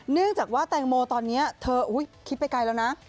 เนื่องจากว่าแตงโมตอนนี้เธอคิดไปไกลแล้วนะ